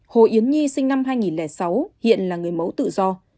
hồ yến nhi sinh năm hai nghìn sáu hiện là người mẫu tự do